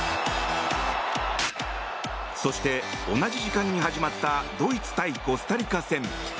そして、同じ時間に始まったドイツ対コスタリカ戦。